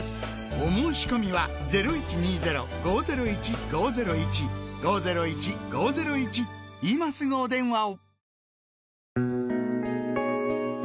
お申込みは今すぐお電話を！